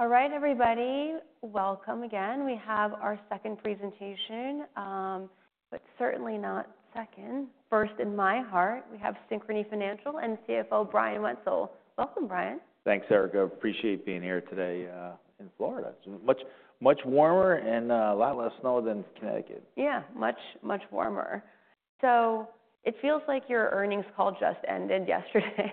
All right, everybody, welcome again. We have our second presentation, but certainly not second, first in my heart. We have Synchrony Financial and CFO Brian Wenzel. Welcome, Brian. Thanks, Erica. Appreciate being here today, in Florida. It's much, much warmer and a lot less snow than Connecticut. Yeah, much, much warmer. So it feels like your earnings call just ended yesterday.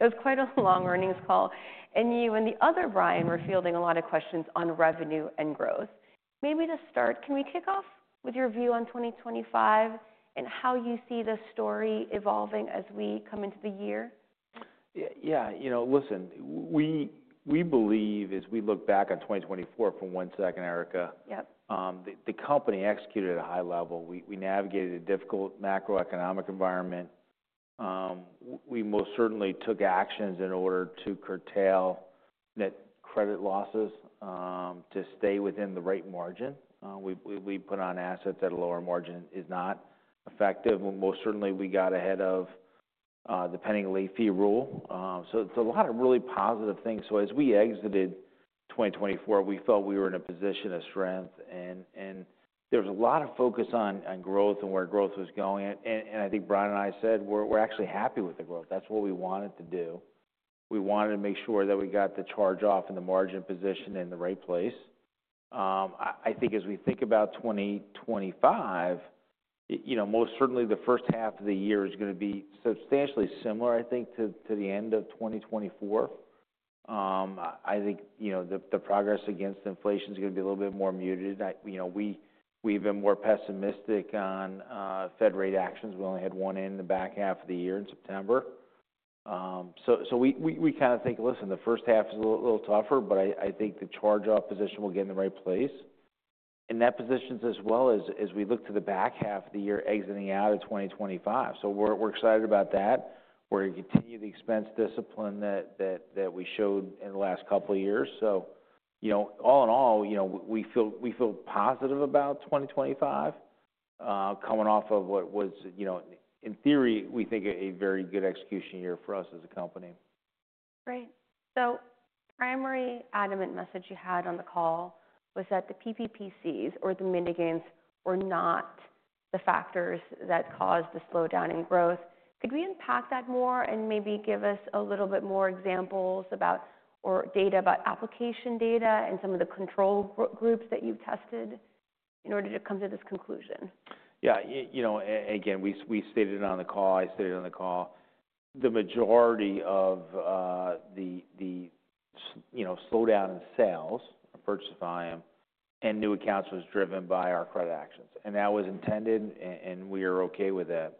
It was quite a long earnings call. And you and the other Brian were fielding a lot of questions on revenue and growth. Maybe to start, can we kick off with your view on 2025 and how you see the story evolving as we come into the year? Yeah, yeah, you know, listen, we believe, as we look back on 2024 for one second, Erica. Yes. The company executed at a high level. We navigated a difficult macroeconomic environment. We most certainly took actions in order to curtail net credit losses, to stay within the right margin. We put on assets at a lower margin is not effective. Most certainly, we got ahead of the CFPB late fee rule. So it's a lot of really positive things. As we exited 2024, we felt we were in a position of strength. There was a lot of focus on growth and where growth was going. I think Brian and I said, "We're actually happy with the growth. That's what we wanted to do. We wanted to make sure that we got the charge-off and the margin position in the right place. I think as we think about 2025, you know, most certainly the first half of the year is gonna be substantially similar, I think, to the end of 2024. I think, you know, the progress against inflation's gonna be a little bit more muted. You know, we've been more pessimistic on Fed rate actions. We only had one in the back half of the year in September. So we kinda think, "Listen, the first half is a little tougher, but I think the charge-off position will get in the right place." And that positions us well as we look to the back half of the year exiting out of 2025. So we're excited about that. We're gonna continue the expense discipline that we showed in the last couple of years. So, you know, all in all, you know, we feel positive about 2025, coming off of what was, you know, in theory, we think a very good execution year for us as a company. Great. So the primary, adamant message you had on the call was that the PPCs or the mitigants were not the factors that caused the slowdown in growth. Could we unpack that more and maybe give us a little bit more examples or data about application data and some of the control groups that you've tested in order to come to this conclusion? Yeah, you know, again, we stated it on the call. I stated it on the call. The majority of the slowdown in sales, purchase volume, and new accounts was driven by our credit actions, and that was intended, and we are okay with that.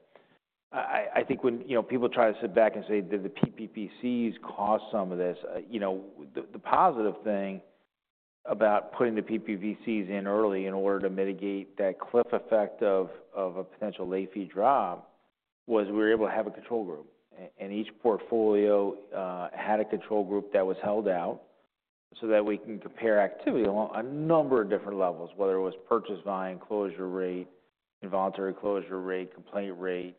I think when, you know, people try to sit back and say, "Did the PPCs cause some of this?" you know, the positive thing about putting the PPCs in early in order to mitigate that cliff effect of a potential late fee drop was we were able to have a control group. And each portfolio had a control group that was held out so that we can compare activity along a number of different levels, whether it was purchase volume, closure rate, involuntary closure rate, complaint rate,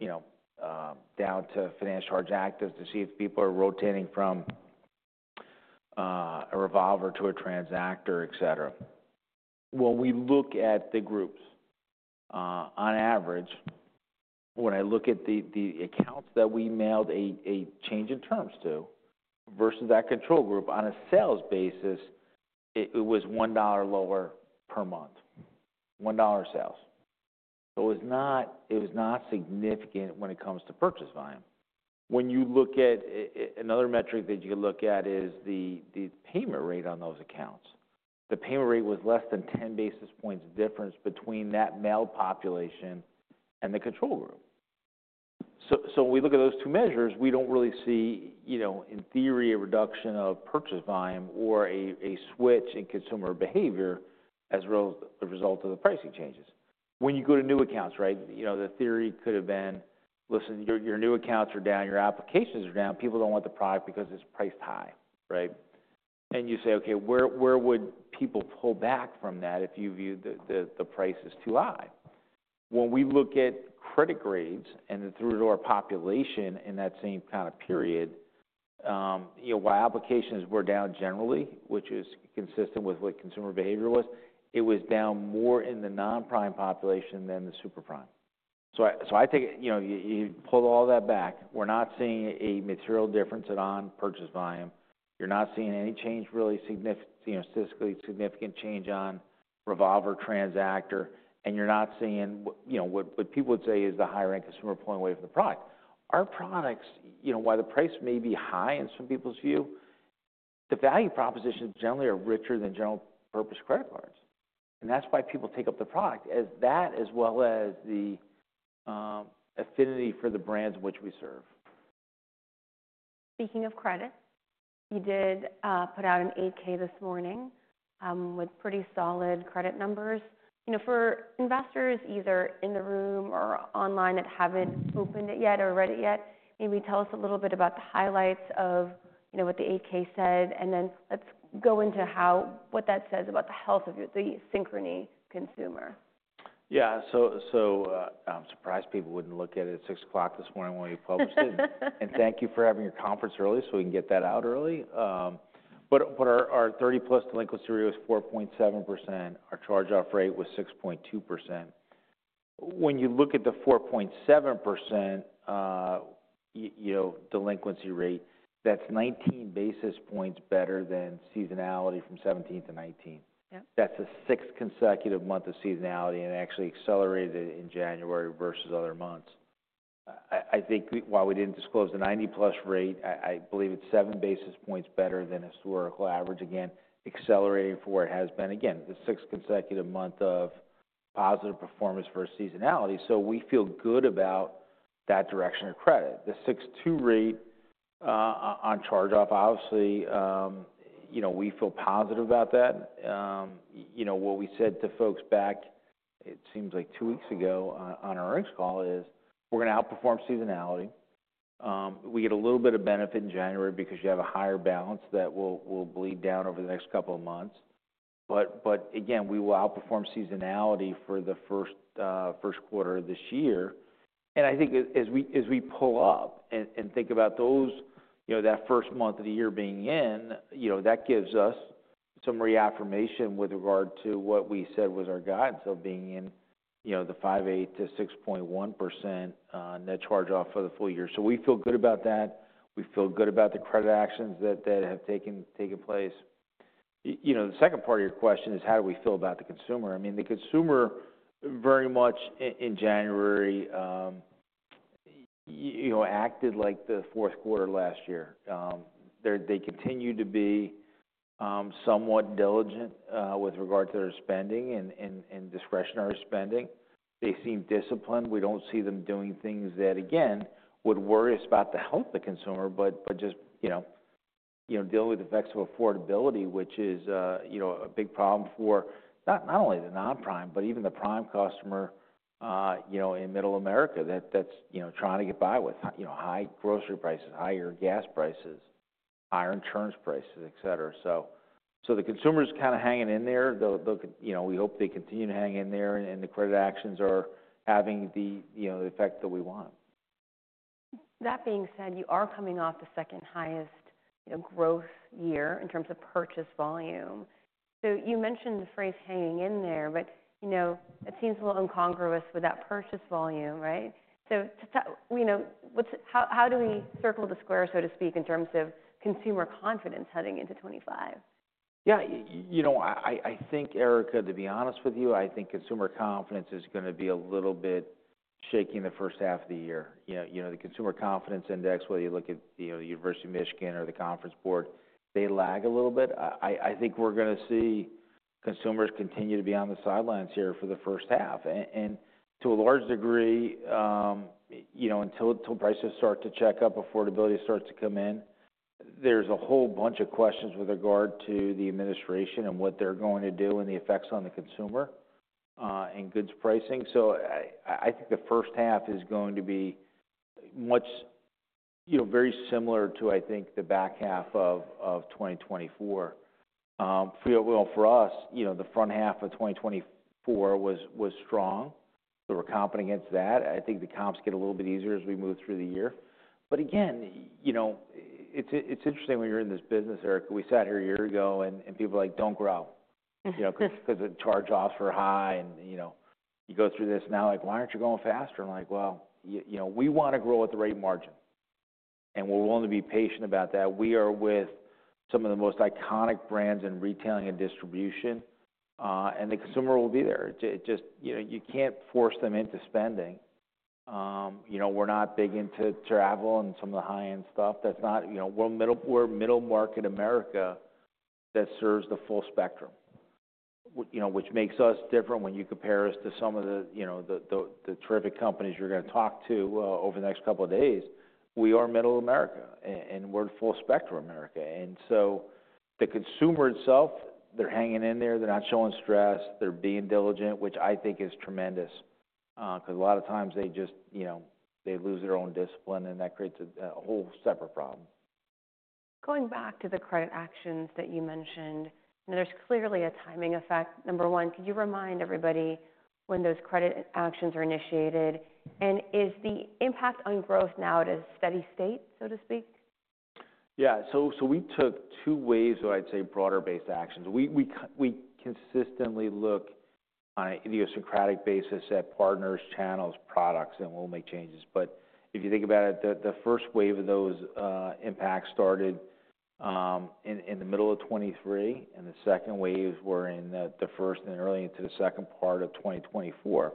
you know, down to finance charge active to see if people are rotating from a revolver to a transactor, etc. When we look at the groups, on average, when I look at the accounts that we mailed a change in terms to versus that control group on a sales basis, it was $1 lower per month, $1 sales. So it was not significant when it comes to purchase volume. When you look at another metric that you can look at is the payment rate on those accounts. The payment rate was less than 10 basis points difference between that mailed population and the control group. So, when we look at those two measures, we don't really see, you know, in theory, a reduction of purchase volume or a switch in consumer behavior as a result of the pricing changes. When you go to new accounts, right, you know, the theory could have been, "Listen, your new accounts are down. Your applications are down. People don't want the product because it's priced high," right? And you say, "Okay, where would people pull back from that if you view the price is too high?" When we look at credit grades and the through-door population in that same kinda period, you know, while applications were down generally, which is consistent with what consumer behavior was, it was down more in the non-prime population than the super prime. So I take it, you know, you pulled all that back. We're not seeing a material difference on purchase volume. You're not seeing any change really, you know, statistically significant change on revolver transactor. And you're not seeing what, you know, what people would say is the higher-end consumer pulling away from the product. Our products, you know, while the price may be high in some people's view, the value propositions generally are richer than general-purpose credit cards. And that's why people take up the product as that as well as the affinity for the brands which we serve. Speaking of credit, you did put out an 8-K this morning with pretty solid credit numbers. You know, for investors either in the room or online that haven't opened it yet or read it yet, maybe tell us a little bit about the highlights of, you know, what the 8-K said. And then let's go into how what that says about the health of the Synchrony consumer. Yeah, so, I'm surprised people wouldn't look at it at 6:00 A.M. this morning when we published it. And thank you for having your conference early so we can get that out early. But our 30-plus delinquency rate was 4.7%. Our charge-off rate was 6.2%. When you look at the 4.7%, you know, delinquency rate, that's 19 basis points better than seasonality from 2017 to 2019. Yep. That's the sixth consecutive month of seasonality and actually accelerated in January versus other months. I think while we didn't disclose the 90-plus rate, I believe it's 7 basis points better than historical average. Again, accelerating for where it has been. Again, the sixth consecutive month of positive performance versus seasonality. So we feel good about that direction of credit. The 6.2 rate on charge-off, obviously, you know, we feel positive about that. You know, what we said to folks back, it seems like two weeks ago on our earnings call is we're gonna outperform seasonality. We get a little bit of benefit in January because you have a higher balance that will bleed down over the next couple of months. But again, we will outperform seasonality for the first quarter of this year. I think as we pull up and think about those, you know, that first month of the year being in, you know, that gives us some reaffirmation with regard to what we said was our guidance of being in, you know, the 5.8%-6.1% net charge-off for the full year. So we feel good about that. We feel good about the credit actions that have taken place. You know, the second part of your question is how do we feel about the consumer? I mean, the consumer very much in January, you know, acted like the fourth quarter last year. They continue to be somewhat diligent with regard to their spending and discretionary spending. They seem disciplined. We don't see them doing things that, again, would worry us about the health of the consumer, but just, you know, you know, dealing with the effects of affordability, which is, you know, a big problem for not only the non-prime, but even the prime customer, you know, in middle America that's, you know, trying to get by with, you know, high grocery prices, higher gas prices, higher insurance prices, etc. So the consumer's kinda hanging in there. They'll, you know, we hope they continue to hang in there and the credit actions are having the, you know, the effect that we want. That being said, you are coming off the second-highest, you know, growth year in terms of purchase volume. So you mentioned the phrase hanging in there, but, you know, it seems a little incongruous with that purchase volume, right? So, you know, how do we circle the square, so to speak, in terms of consumer confidence heading into 2025? Yeah, you know, I think, Erica, to be honest with you, I think consumer confidence is gonna be a little bit shaky in the first half of the year. You know, the Consumer Confidence Index, whether you look at the University of Michigan or the Conference Board, they lag a little bit. I think we're gonna see consumers continue to be on the sidelines here for the first half. And to a large degree, you know, until prices start to check up, affordability starts to come in, there's a whole bunch of questions with regard to the administration and what they're going to do and the effects on the consumer, and goods pricing. So I think the first half is going to be much, you know, very similar to, I think, the back half of 2024. Well, for us, you know, the first half of 2024 was strong. We were comfortable against that. I think the comps get a little bit easier as we move through the year. But again, you know, it's interesting when you're in this business, Erica. We sat here a year ago, and people were like, "Don't grow. Mm-hmm. You know, 'cause the charge-offs were high. And, you know, you go through this now, like, "Why aren't you going faster?" And I'm like, "Well, you know, we wanna grow at the right margin. And we're willing to be patient about that. We are with some of the most iconic brands in retailing and distribution, and the consumer will be there. It just, you know, you can't force them into spending. You know, we're not big into travel and some of the high-end stuff. That's not, you know, we're middle market America that serves the full spectrum, you know, which makes us different when you compare us to some of the, you know, the terrific companies you're gonna talk to, over the next couple of days. We are middle America, and we're full-spectrum America. The consumer itself, they're hanging in there. They're not showing stress. They're being diligent, which I think is tremendous, 'cause a lot of times they just, you know, they lose their own discipline, and that creates a whole separate problem. Going back to the credit actions that you mentioned, you know, there's clearly a timing effect. Number one, could you remind everybody when those credit actions are initiated? And is the impact on growth now at a steady state, so to speak? Yeah, so we took two waves of, I'd say, broader-based actions. We consistently look on an idiosyncratic basis at partners, channels, products, and we'll make changes. But if you think about it, the first wave of those impacts started in the middle of 2023, and the second waves were in the first and early into the second part of 2024.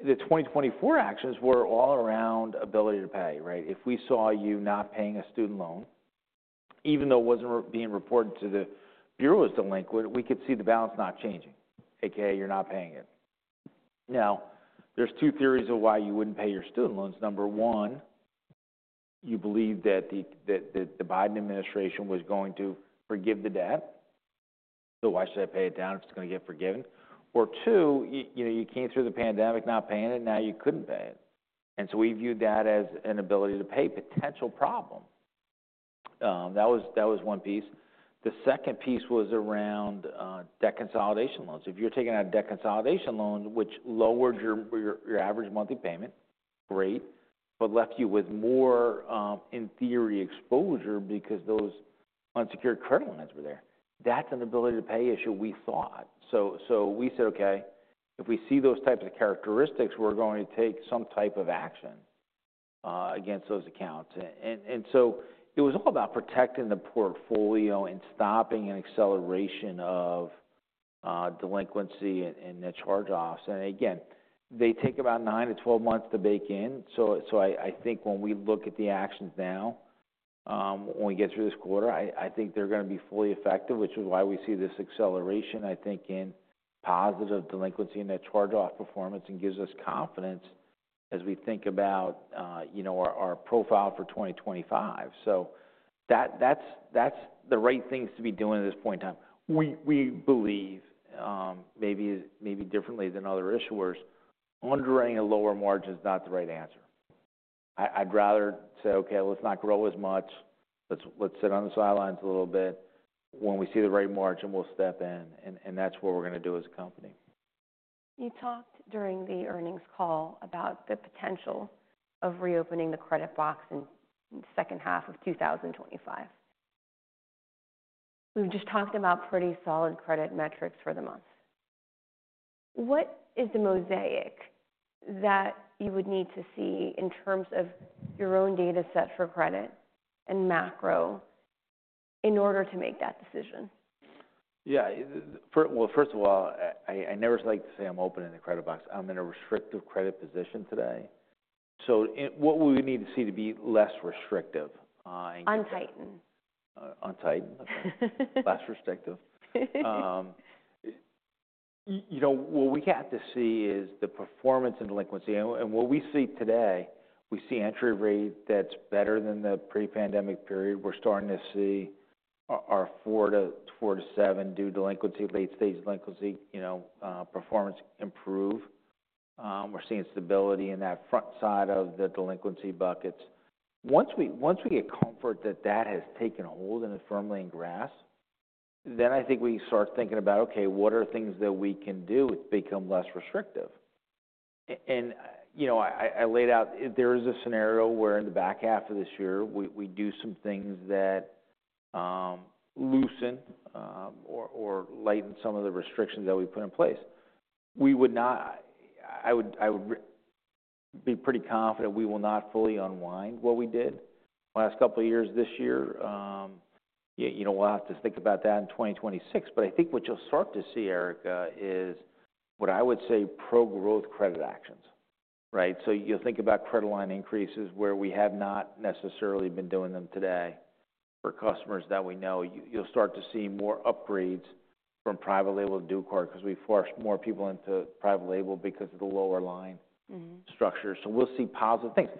The 2024 actions were all around ability to pay, right? If we saw you not paying a student loan, even though it wasn't being reported to the Bureau as delinquent, we could see the balance not changing, a.k.a. you're not paying it. Now, there's two theories of why you wouldn't pay your student loans. Number one, you believe that the Biden administration was going to forgive the debt, so why should I pay it down if it's gonna get forgiven? Or two, you know, you came through the pandemic not paying it. Now you couldn't pay it. And so we viewed that as an ability to pay potential problem. That was one piece. The second piece was around debt consolidation loans. If you're taking out a debt consolidation loan, which lowered your average monthly payment rate, but left you with more, in theory, exposure because those unsecured credit lines were there. That's an ability to pay issue we thought. So we said, "Okay, if we see those types of characteristics, we're going to take some type of action against those accounts." And so it was all about protecting the portfolio and stopping an acceleration of delinquency and net charge-offs. And again, they take about nine to 12 months to bake in. I think when we look at the actions now, when we get through this quarter, I think they're gonna be fully effective, which is why we see this acceleration, I think, in positive delinquency and net charge-off performance and gives us confidence as we think about, you know, our profile for 2025. That's the right things to be doing at this point in time. We believe, maybe differently than other issuers, underwriting at lower margin is not the right answer. I'd rather say, "Okay, let's not grow as much. Let's sit on the sidelines a little bit. When we see the right margin, we'll step in." And that's what we're gonna do as a company. You talked during the earnings call about the potential of reopening the credit box in the second half of 2025. We've just talked about pretty solid credit metrics for the month. What is the mosaic that you would need to see in terms of your own data set for credit and macro in order to make that decision? Yeah, first of all, I never like to say I'm opening the credit box. I'm in a restrictive credit position today. So what we would need to see to be less restrictive, and. Untighten. Untighten? Okay. Less restrictive. You know, what we have to see is the performance and delinquency. And what we see today, we see entry rate that's better than the pre-pandemic period. We're starting to see our 30- to 89-day delinquency, late-stage delinquency, you know, performance improve. We're seeing stability in that front side of the delinquency buckets. Once we get comfort that has taken hold and it's firmly in grasp, then I think we start thinking about, "Okay, what are things that we can do to become less restrictive?" And, you know, I laid out there is a scenario where in the back half of this year, we do some things that loosen or lighten some of the restrictions that we put in place. We would not. I would be pretty confident we will not fully unwind what we did the last couple of years this year. You know, we'll have to think about that in 2026. But I think what you'll start to see, Erica, is what I would say pro-growth credit actions, right? So you'll think about credit line increases where we have not necessarily been doing them today for customers that we know. You'll start to see more upgrades from private label to Dual Card because we forced more people into private label because of the lower line. Mm-hmm. Structure. So we'll see positive things.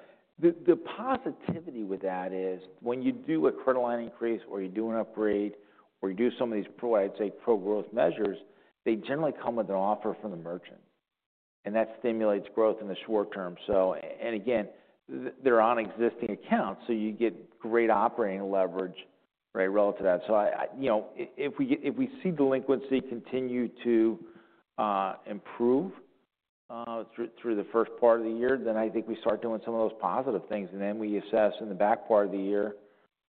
The positivity with that is when you do a credit line increase or you do an upgrade or you do some of these, I'd say, pro-growth measures, they generally come with an offer from the merchant, and that stimulates growth in the short term. So, and again, they're on existing accounts, so you get great operating leverage, right, relative to that. So I, you know, if we see delinquency continue to improve through the first part of the year, then I think we start doing some of those positive things. And then we assess in the back part of the year,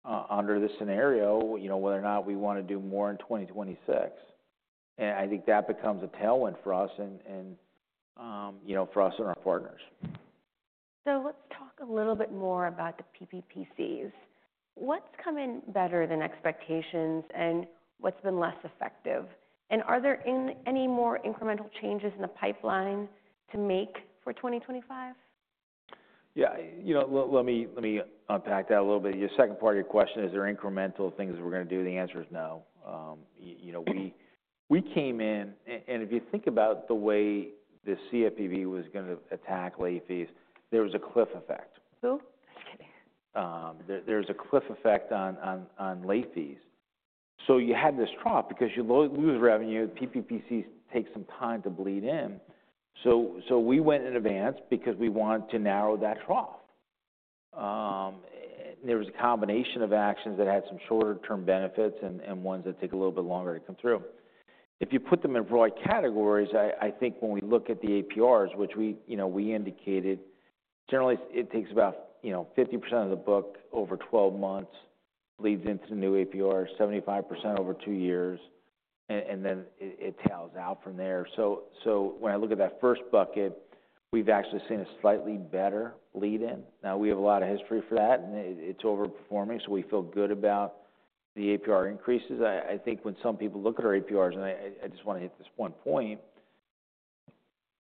under this scenario, you know, whether or not we wanna do more in 2026. And I think that becomes a tailwind for us and, you know, for us and our partners. So let's talk a little bit more about the PPCs. What's come in better than expectations and what's been less effective? And are there any more incremental changes in the pipeline to make for 2025? Yeah, you know, let me unpack that a little bit. Your second part of your question, is there incremental things we're gonna do? The answer is no. You know, we came in and if you think about the way the CFPB was gonna attack late fees, there was a cliff effect. Who? There was a cliff effect on late fees. So you had this trough because you lose revenue. PPCs take some time to bleed in. So we went in advance because we wanted to narrow that trough. And there was a combination of actions that had some shorter-term benefits and ones that take a little bit longer to come through. If you put them in broad categories, I think when we look at the APRs, which we, you know, we indicated, generally, it takes about, you know, 50% of the book over 12 months leads into the new APR, 75% over two years, and then it tails out from there. So when I look at that first bucket, we've actually seen a slightly better lead-in. Now, we have a lot of history for that, and it's overperforming, so we feel good about the APR increases. I think when some people look at our APRs and I just wanna hit this one point,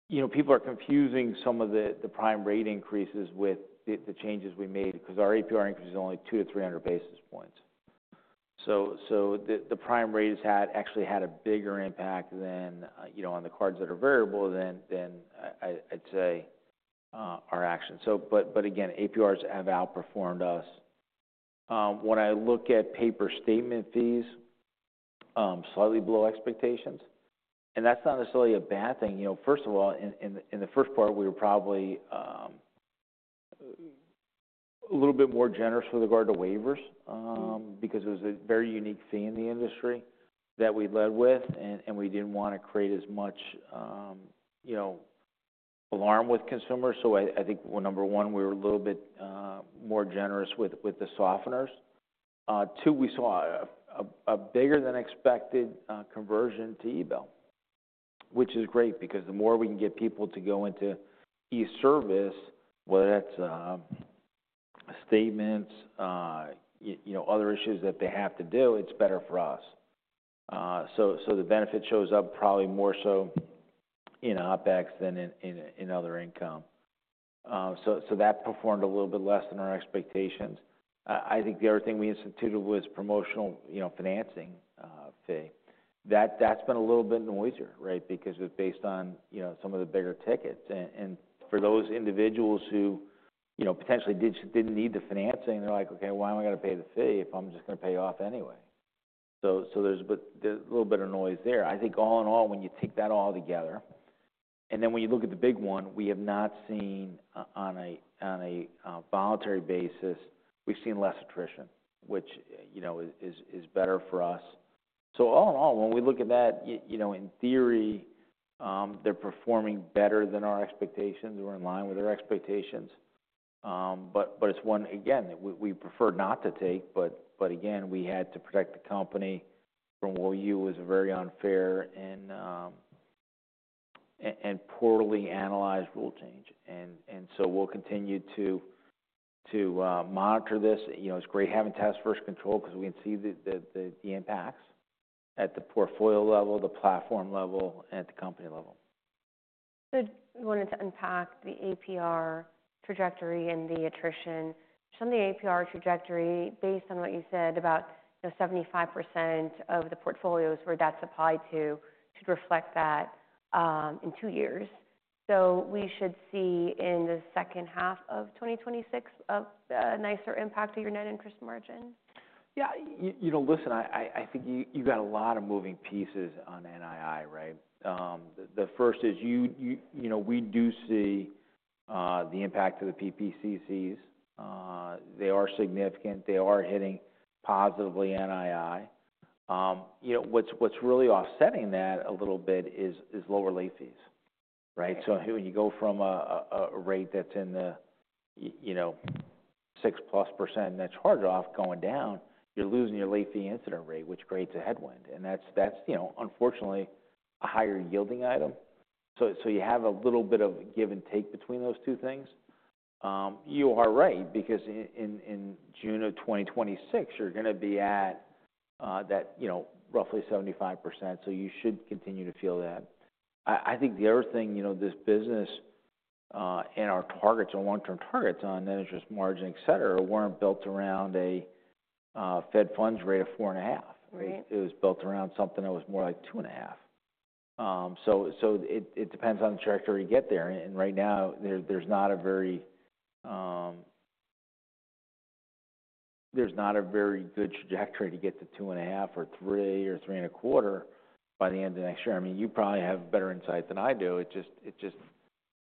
you know, people are confusing some of the prime rate increases with the changes we made 'cause our APR increase is only 2 to 300 basis points. So the prime rate has actually had a bigger impact than, you know, on the cards that are variable than I'd say our actions. So but again, APRs have outperformed us. When I look at paper statement fees, slightly below expectations. And that's not necessarily a bad thing. You know, first of all, in the first part, we were probably a little bit more generous with regard to waivers, because it was a very unique fee in the industry that we led with, and we didn't wanna create as much, you know, alarm with consumers, so I think, well, number one, we were a little bit more generous with the softeners. Two, we saw a bigger-than-expected conversion to eBill, which is great because the more we can get people to go into eService, whether that's statements, you know, other issues that they have to do, it's better for us, so the benefit shows up probably more so in OpEx than in other income, so that performed a little bit less than our expectations. I think the other thing we instituted was promotional, you know, financing fee. That's been a little bit noisier, right, because it's based on, you know, some of the bigger tickets. And for those individuals who, you know, potentially didn't need the financing, they're like, "Okay, why am I gonna pay the fee if I'm just gonna pay it off anyway?" So there's but there's a little bit of noise there. I think all in all, when you take that all together, and then when you look at the big one, we have not seen on a voluntary basis, we've seen less attrition, which, you know, is better for us. So all in all, when we look at that, you know, in theory, they're performing better than our expectations. We're in line with their expectations, but it's one, again, that we prefer not to take. But again, we had to protect the company from what we knew was very unfair and poorly analyzed rule change. And so we'll continue to monitor this. You know, it's great having test versus control 'cause we can see the impacts at the portfolio level, the platform level, and at the company level. So you wanted to unpack the APR trajectory and the attrition. Some of the APR trajectory, based on what you said about, you know, 75% of the portfolios where that's applied to, should reflect that, in two years. So we should see in the second half of 2026 a nicer impact to your net interest margin? Yeah, you know, listen, I think you got a lot of moving pieces on NII, right? The first is you know, we do see the impact of the PPCs. They are significant. They are hitting positively NII. You know, what's really offsetting that a little bit is lower late fees, right? So when you go from a rate that's in the you know, 6-plus% net charge-off going down, you're losing your late fee incident rate, which creates a headwind. And that's you know, unfortunately, a higher yielding item. So you have a little bit of give and take between those two things. You are right because in June of 2026, you're gonna be at that you know, roughly 75%. So you should continue to feel that. I think the other thing, you know, this business, and our targets, our long-term targets on net interest margin, etc., weren't built around a Fed funds rate of 4.5. Right. It was built around something that was more like 2.5, so it depends on the trajectory you get there. Right now, there's not a very good trajectory to get to 2.5 or 3 or 3 and a quarter by the end of next year. I mean, you probably have better insight than I do. It just,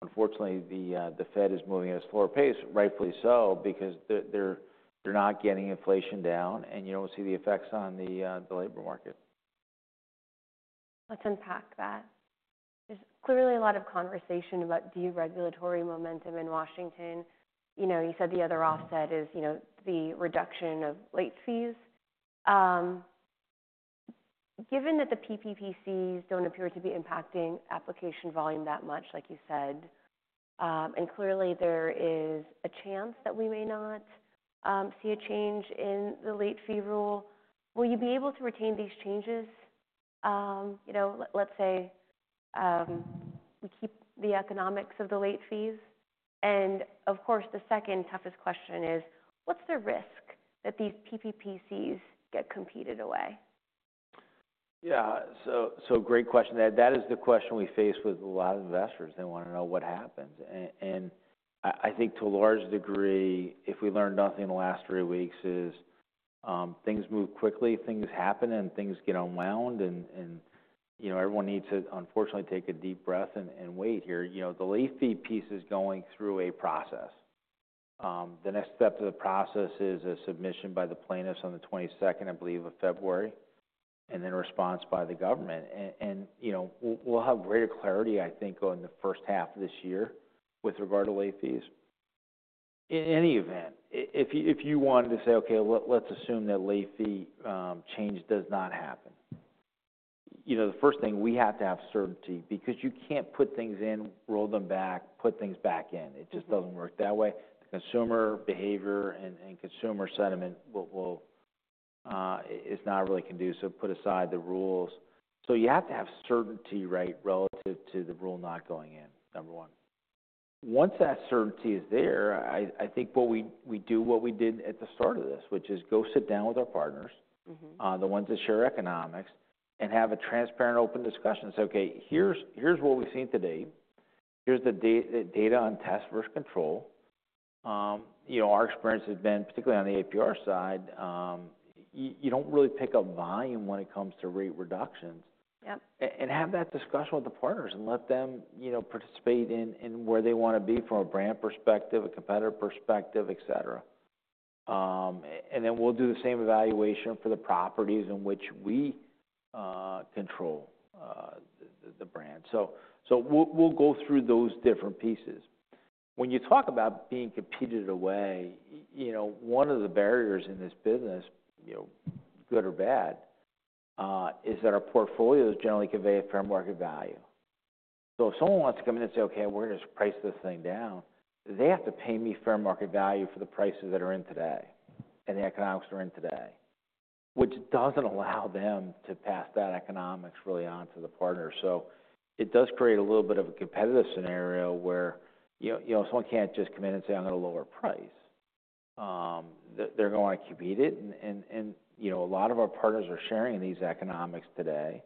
unfortunately, the Fed is moving at a slower pace, rightfully so, because they're not getting inflation down, and you don't see the effects on the labor market. Let's unpack that. There's clearly a lot of conversation about deregulatory momentum in Washington. You know, you said the other offset is, you know, the reduction of late fees. Given that the PPCs don't appear to be impacting application volume that much, like you said, and clearly there is a chance that we may not see a change in the late fee rule, will you be able to retain these changes? You know, let's say, we keep the economics of the late fees. And of course, the second toughest question is, what's the risk that these PPCs get competed away? Yeah, so great question. That is the question we face with a lot of investors. They wanna know what happens. And I think to a large degree, if we learned nothing in the last three weeks, things move quickly, things happen, and things get unwound. And you know, everyone needs to unfortunately take a deep breath and wait here. You know, the late fee piece is going through a process. The next step to the process is a submission by the plaintiffs on the 22nd, I believe, of February, and then response by the government. And you know, we'll have greater clarity, I think, in the first half of this year with regard to late fees. In any event, if you wanted to say, "Okay, let's assume that late fee change does not happen," you know, the first thing, we have to have certainty because you can't put things in, roll them back, put things back in. It just doesn't work that way. The consumer behavior and consumer sentiment is not really conducive, put aside the rules. So you have to have certainty, right, relative to the rule not going in, number one. Once that certainty is there, I think what we do what we did at the start of this, which is go sit down with our partners. Mm-hmm. the ones that share economics, and have a transparent, open discussion. Say, "Okay, here's what we've seen today. Here's the data on test versus control." You know, our experience has been, particularly on the APR side, you don't really pick up volume when it comes to rate reductions. Yep. And have that discussion with the partners and let them, you know, participate in where they wanna be from a brand perspective, a competitor perspective, etc. And then we'll do the same evaluation for the properties in which we control the brand. So we'll go through those different pieces. When you talk about being competed away, you know, one of the barriers in this business, you know, good or bad, is that our portfolios generally convey a fair market value. So if someone wants to come in and say, "Okay, we're gonna just price this thing down," they have to pay me fair market value for the prices that are in today and the economics that are in today, which doesn't allow them to pass that economics really on to the partners. So it does create a little bit of a competitive scenario where, you know, someone can't just come in and say, "I'm gonna lower price." They're gonna wanna compete it. And you know, a lot of our partners are sharing these economics today.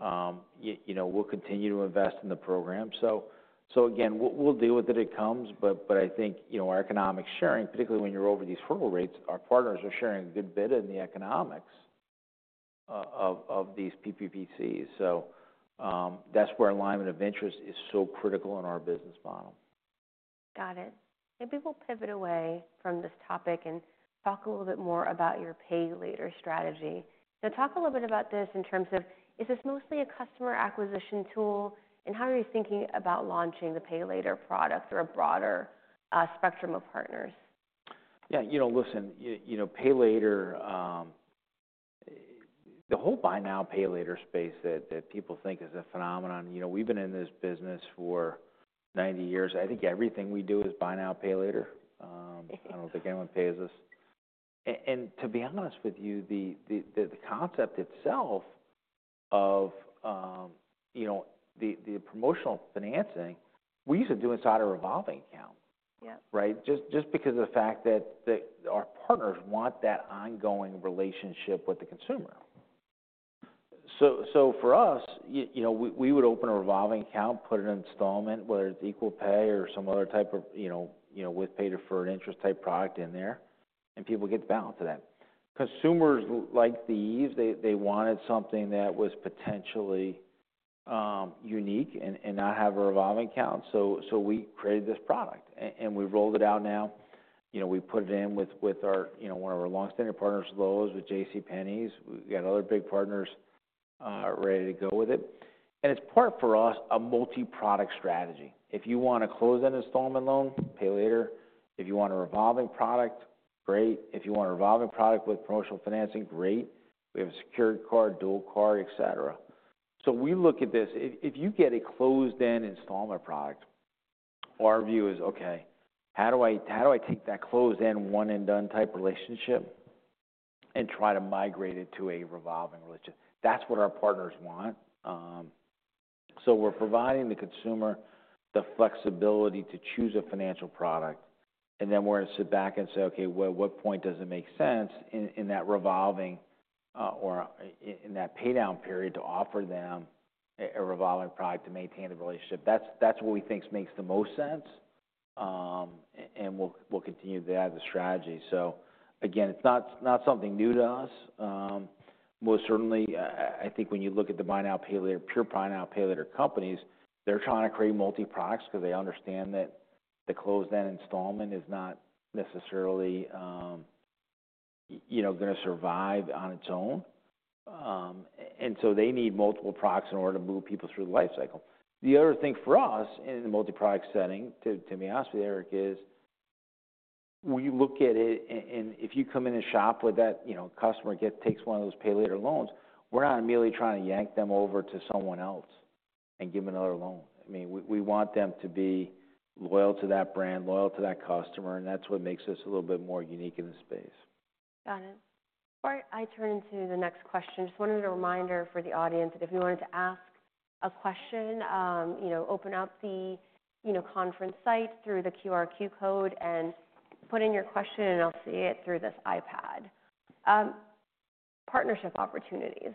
You know, we'll continue to invest in the program. So again, we'll deal with it as it comes. But I think, you know, our economics sharing, particularly when you're over these hurdle rates, our partners are sharing a good bit in the economics of these PPCs. So, that's where alignment of interest is so critical in our business model. Got it. Maybe we'll pivot away from this topic and talk a little bit more about your Pay Later strategy. Now, talk a little bit about this in terms of, is this mostly a customer acquisition tool, and how are you thinking about launching the Pay Later product through a broader spectrum of partners? Yeah, you know, listen, you know, Pay Later, the whole buy now, pay later space that people think is a phenomenon, you know, we've been in this business for 90 years. I think everything we do is buy now, Pay Later. I don't think anyone pays us. And to be honest with you, the concept itself of, you know, the promotional financing, we used to do inside a revolving account. Yep. Right? Just because of the fact that our partners want that ongoing relationship with the consumer. So for us, you know, we would open a revolving account, put an installment, whether it's Equal Pay or some other type of, you know, with Pay Later for an interest type product in there, and people get the balance of that. Consumers like these, they wanted something that was potentially unique and not have a revolving account. So we created this product, and we've rolled it out now. You know, we put it in with our, you know, one of our long-standing partners, Lowe's, with JCPenney. We got other big partners, ready to go with it. And it's part for us, a multi-product strategy. If you wanna close that installment loan, Pay Later. If you want a revolving product, great. If you want a revolving product with promotional financing, great. We have a secured card, Dual Card, etc. So we look at this. If you get a closed-end installment product, our view is, "Okay, how do I take that closed-end one-and-done type relationship and try to migrate it to a revolving relationship?" That's what our partners want. We're providing the consumer the flexibility to choose a financial product, and then we're gonna sit back and say, "Okay, what point does it make sense in that revolving, or in that pay down period to offer them a revolving product to maintain the relationship?" That's what we think makes the most sense. And we'll continue to have the strategy. So again, it's not something new to us. Most certainly, I think when you look at the buy now, pay later, pure buy now, pay later companies, they're trying to create multi-products 'cause they understand that the closed-end installment is not necessarily, you know, gonna survive on its own. And so they need multiple products in order to move people through the life cycle. The other thing for us in the multi-product setting, to be honest with you, Erica, is we look at it, and if you come in and shop with that, you know, customer that takes one of those pay later loans, we're not merely trying to yank them over to someone else and give them another loan. I mean, we want them to be loyal to that brand, loyal to that customer, and that's what makes us a little bit more unique in this space. Got it. Before I turn to the next question, just wanted a reminder for the audience that if you wanted to ask a question, you know, open up the, you know, conference site through the QR code and put in your question, and I'll see it through this iPad. Partnership opportunities.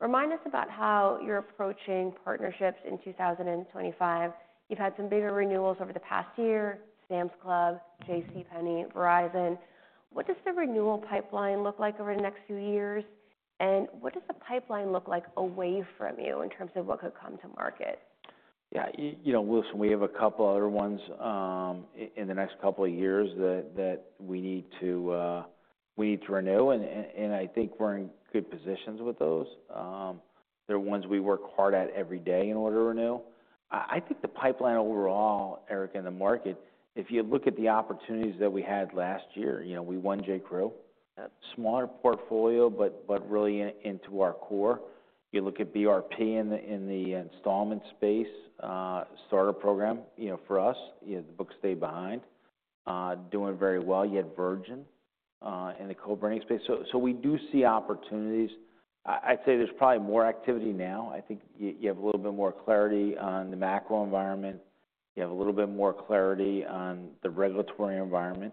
Remind us about how you're approaching partnerships in 2025. You've had some bigger renewals over the past year: Sam's Club, JCPenney, Verizon. What does the renewal pipeline look like over the next few years, and what does the pipeline look like away from you in terms of what could come to market? Yeah, you know, listen, we have a couple other ones, in the next couple of years that we need to renew. And I think we're in good positions with those. They're ones we work hard at every day in order to renew. I think the pipeline overall, Erica, in the market, if you look at the opportunities that we had last year, you know, we won J.Crew. Yep. Smaller portfolio, but really into our core. You look at BRP in the installment space, starter program, you know, for us, you know, the book stayed behind, doing very well. You had Virgin in the co-branding space. So we do see opportunities. I'd say there's probably more activity now. I think you have a little bit more clarity on the macro environment. You have a little bit more clarity on the regulatory environment.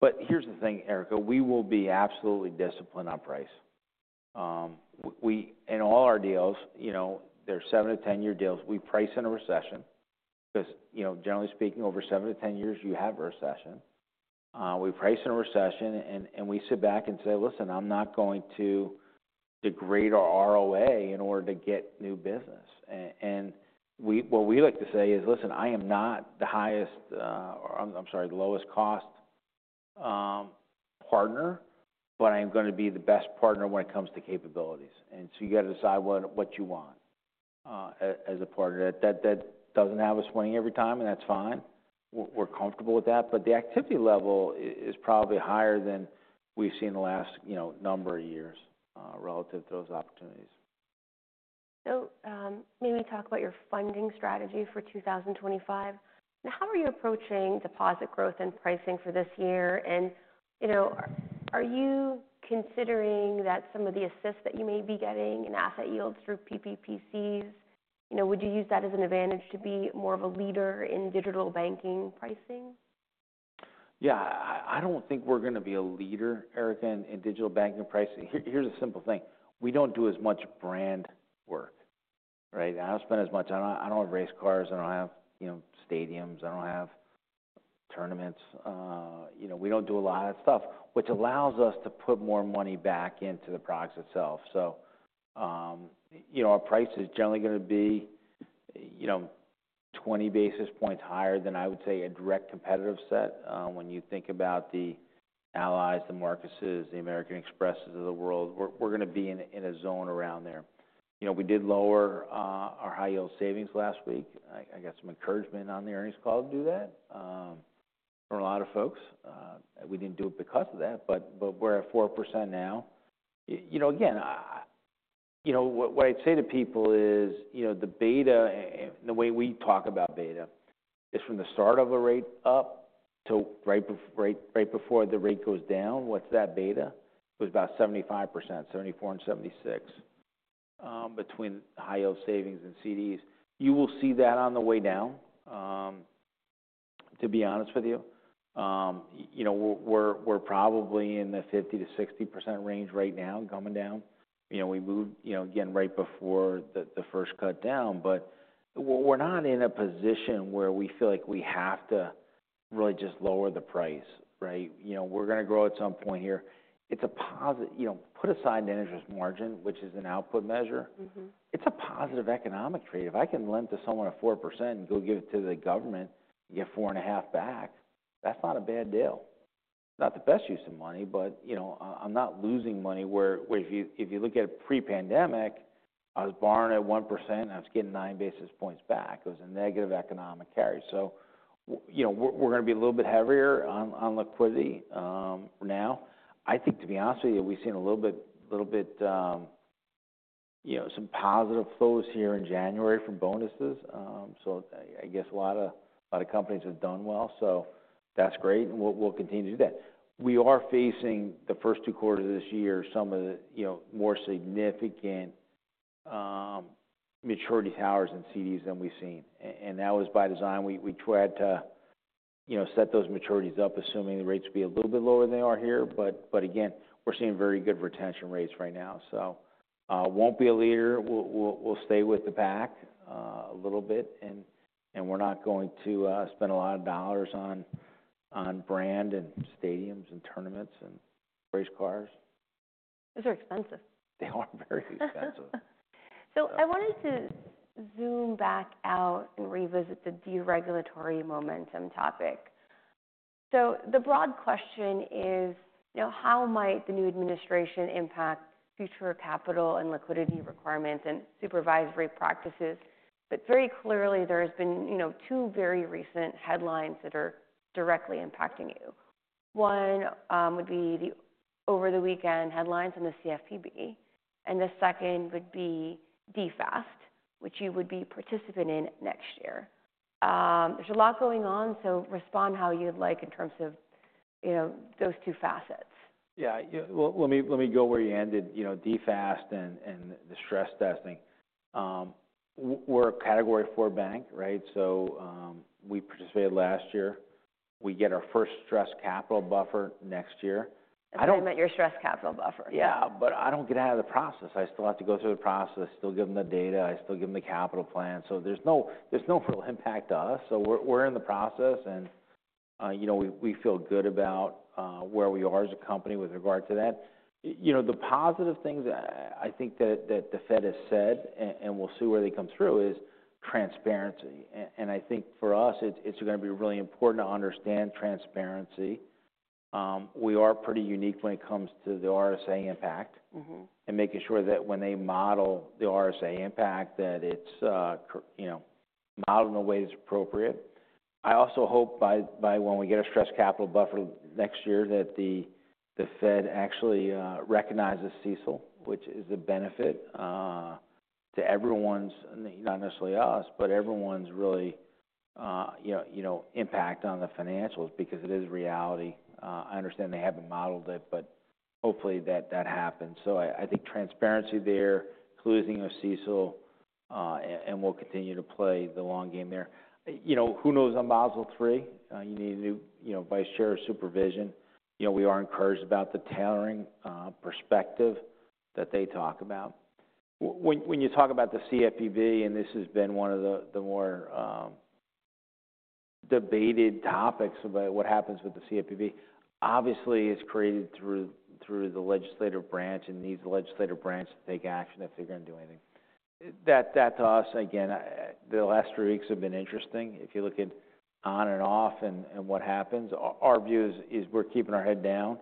But here's the thing, Erica. We will be absolutely disciplined on price. We in all our deals, you know, they're 7-10-year deals. We price in a recession 'cause, you know, generally speaking, over 7-10 years, you have a recession. We price in a recession, and we sit back and say, "Listen, I'm not going to degrade our ROA in order to get new business." And what we like to say is, "Listen, I am not the highest, or I'm sorry, lowest cost partner, but I am gonna be the best partner when it comes to capabilities." And so you gotta decide what you want as a partner. That doesn't have us winning every time, and that's fine. We're comfortable with that. But the activity level is probably higher than we've seen the last, you know, number of years, relative to those opportunities. Maybe we talk about your funding strategy for 2025. Now, how are you approaching deposit growth and pricing for this year? You know, are you considering that some of the assists that you may be getting in asset yields through PPCs? You know, would you use that as an advantage to be more of a leader in digital banking pricing? Yeah, I don't think we're gonna be a leader, Erica, in digital banking pricing. Here's a simple thing. We don't do as much brand work, right? I don't spend as much. I don't have race cars. I don't have, you know, stadiums. I don't have tournaments. You know, we don't do a lot of that stuff, which allows us to put more money back into the products itself. So, you know, our price is generally gonna be, you know, 20 basis points higher than I would say a direct competitive set. When you think about the Allys, the Marcuses, the American Expresses of the world, we're gonna be in a zone around there. You know, we did lower our high yield savings last week. I got some encouragement on the earnings call to do that, from a lot of folks. We didn't do it because of that, but we're at 4% now. You know, again, what I'd say to people is, you know, the beta and the way we talk about beta is from the start of a rate up to right before the rate goes down. What's that beta? It was about 75%, 74% and 76%, between high yield savings and CDs. You will see that on the way down, to be honest with you. You know, we're probably in the 50%-60% range right now, coming down. You know, we moved, you know, again, right before the first cut down, but we're not in a position where we feel like we have to really just lower the price, right? You know, we're gonna grow at some point here. It's a proxy, you know, put aside an interest margin, which is an output measure. Mm-hmm. It's a positive economic trade. If I can lend to someone at 4% and go give it to the government, you get 4.5% back. That's not a bad deal. Not the best use of money, but, you know, I'm not losing money where if you look at pre-pandemic, I was borrowing at 1%, and I was getting 9 basis points back. It was a negative economic carry. So you know, we're gonna be a little bit heavier on liquidity now. I think, to be honest with you, we've seen a little bit, you know, some positive flows here in January from bonuses. So I guess a lot of companies have done well. So that's great, and we'll continue to do that. We are facing the first two quarters of this year, some of the, you know, more significant, maturity towers and CDs than we've seen. And that was by design. We tried to, you know, set those maturities up, assuming the rates would be a little bit lower than they are here. But again, we're seeing very good retention rates right now. So, won't be a leader. We'll stay with the pack, a little bit, and we're not going to spend a lot of dollars on brand and stadiums and tournaments and race cars. Those are expensive. They are very expensive. So I wanted to zoom back out and revisit the deregulatory momentum topic. So the broad question is, you know, how might the new administration impact future capital and liquidity requirements and supervisory practices? But very clearly, there has been, you know, two very recent headlines that are directly impacting you. One, would be the over-the-weekend headlines on the CFPB. And the second would be DFAST, which you would be participating in next year. There's a lot going on, so respond how you'd like in terms of, you know, those two facets. Yeah, well, let me go where you ended. You know, DFAST and the stress testing. We're a category four bank, right? So, we participated last year. We get our first stress capital buffer next year. I don't. I'm talking about your Stress Capital Buffer. Yeah, but I don't get out of the process. I still have to go through the process. I still give them the data. I still give them the capital plan. So there's no real impact to us. So we're in the process, and, you know, we feel good about where we are as a company with regard to that. You know, the positive things that I think that the Fed has said, and we'll see where they come through, is transparency. And I think for us, it's gonna be really important to understand transparency. We are pretty unique when it comes to the RSA impact. Mm-hmm. And making sure that when they model the RSA impact, that it's, you know, modeled in a way that's appropriate. I also hope by when we get a stress capital buffer next year that the Fed actually recognizes CECL, which is a benefit to everyone, not necessarily us, but everyone's really, you know, impact on the financials because it is reality. I understand they haven't modeled it, but hopefully that happens. So I think transparency there, closing of CECL, and we'll continue to play the long game there. You know, who knows on Basel III? You need a new, you know, vice chair of supervision. You know, we are encouraged about the tailoring perspective that they talk about. When you talk about the CFPB, and this has been one of the more debated topics about what happens with the CFPB, obviously, it's created through the legislative branch, and these legislative branches take action if they're gonna do anything. That to us, again, the last three weeks have been interesting. If you look at on and off and what happens, our view is we're keeping our head down.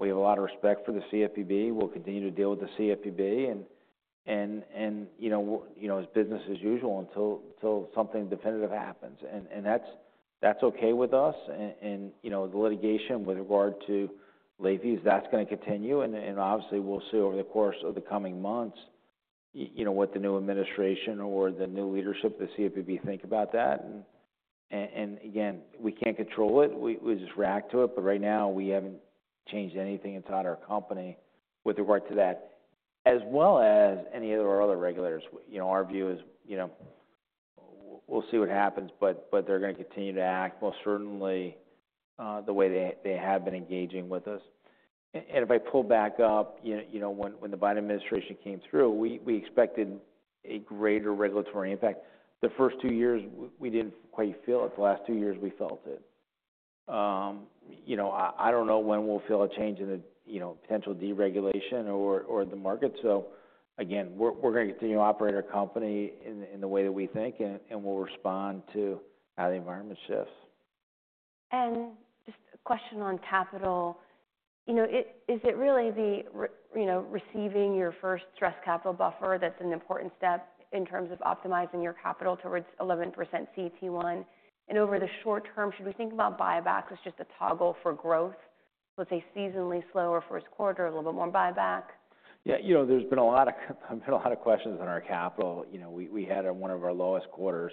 We have a lot of respect for the CFPB. We'll continue to deal with the CFPB and you know, you know, as business as usual until something definitive happens. And that's okay with us. And, you know, the litigation with regard to late fees, that's gonna continue. Obviously, we'll see over the course of the coming months, you know, what the new administration or the new leadership of the CFPB think about that. We can't control it. We just react to it. But right now, we haven't changed anything inside our company with regard to that, as well as any of our other regulators. Well, you know, our view is, you know, we'll see what happens, but they're gonna continue to act most certainly the way they have been engaging with us. If I pull back up, you know, when the Biden administration came through, we expected a greater regulatory impact. The first two years, we didn't quite feel it. The last two years, we felt it. You know, I don't know when we'll feel a change in the, you know, potential deregulation or the market. So again, we're gonna continue to operate our company in the way that we think, and we'll respond to how the environment shifts. Just a question on capital. You know, is it really, you know, receiving your first stress capital buffer that's an important step in terms of optimizing your capital towards 11% CET1? And over the short term, should we think about buyback as just a toggle for growth, let's say seasonally slower first quarter, a little bit more buyback? Yeah, you know, there's been a lot of questions on our capital. You know, we had one of our lowest quarters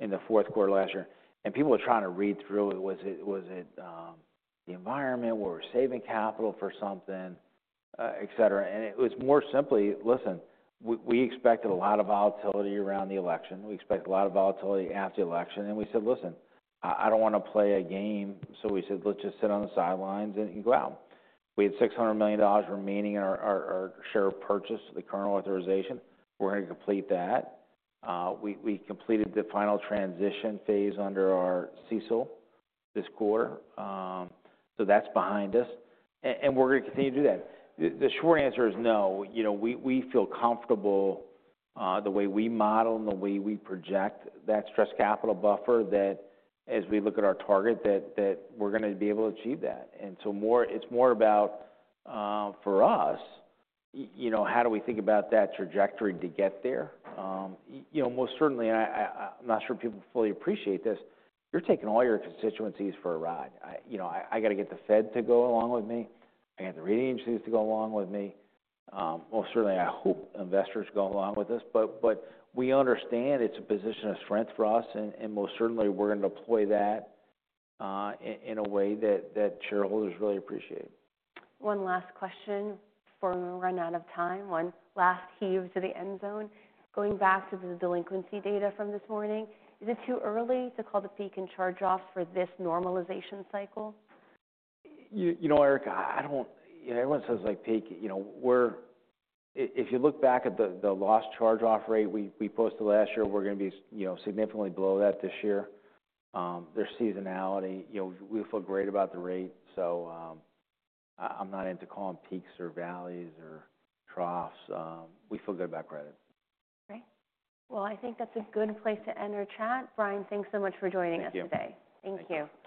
in the fourth quarter last year, and people were trying to read through it. Was it the environment? Were we saving capital for something, etc.? It was more simply, listen, we expected a lot of volatility around the election. We expected a lot of volatility after the election, and we said, "Listen, I don't wanna play a game." So we said, "Let's just sit on the sidelines and go out." We had $600 million remaining in our share purchase, the current authorization. We're gonna complete that. We completed the final transition phase under our CECL this quarter, so that's behind us, and we're gonna continue to do that. The short answer is no. You know, we feel comfortable, the way we model and the way we project that stress capital buffer, that as we look at our target, that we're gonna be able to achieve that. And so it's more about, for us, you know, how do we think about that trajectory to get there? You know, most certainly, and I, I'm not sure people fully appreciate this. You're taking all your constituencies for a ride. You know, I gotta get the Fed to go along with me. I got the rating agencies to go along with me. Most certainly, I hope investors go along with us. But we understand it's a position of strength for us, and most certainly, we're gonna deploy that, in a way that shareholders really appreciate. One last question before we run out of time. One last heave to the end zone. Going back to the delinquency data from this morning, is it too early to call the peak and charge-offs for this normalization cycle? You know, Erica, I don't, you know, everyone says like peak. You know, if you look back at the last charge-off rate we posted last year, we're gonna be, you know, significantly below that this year. There's seasonality. You know, we feel great about the rate. So, I'm not into calling peaks or valleys or troughs. We feel good about credit. Okay. I think that's a good place to end our chat. Brian, thanks so much for joining us today. Thank you. Thank you.